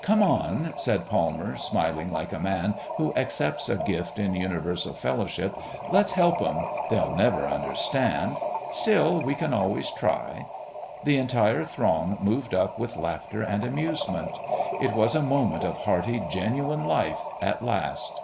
"Come on," said Palmer, smiling like a man who accepts a gift in universal fellowship, "let's help 'em. They'll never understand.... Still, we can always try." The entire throng moved up with laughter and amusement. It was a moment of hearty, genuine life at last.